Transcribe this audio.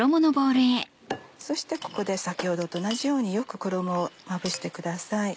そしてここで先ほどと同じようによく衣をまぶしてください。